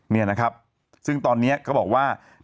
นี่นะครับซึ่งตอนนี้เขาบอกว่า